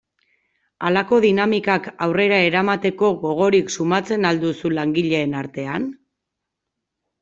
Halako dinamikak aurrera eramateko gogorik sumatzen al duzue langileen artean?